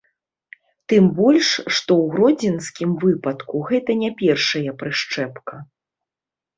Тым больш, што ў гродзенскім выпадку гэта не першая прышчэпка.